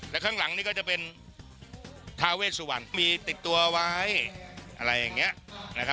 แล้วข้างหลังนี่ก็จะเป็นทาเวสวรรณมีติดตัวไว้อะไรอย่างนี้นะครับ